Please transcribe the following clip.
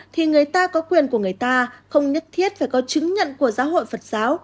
thì người ta có quyền của người ta không nhất thiết phải có chứng nhận của giáo hội phật giáo